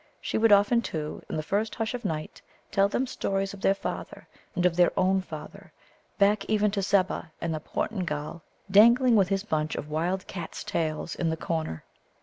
She would often, too, in the first hush of night, tell them stories of their father, and of her own father, back even to Zebbah, and the Portingal dangling with his bunch of wild cats' tails in the corner.